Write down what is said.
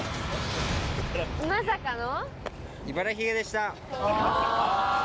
まさかの。